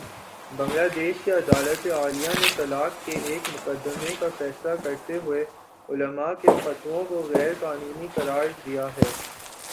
بنگلہ دیش کی عدالتِ عالیہ نے طلاق کے ایک مقدمے کا فیصلہ کرتے ہوئے علما کے فتووں کو غیر قانونی قرار دیا ہے